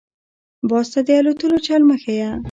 - باز ته دالوتلو چل مه ښیه.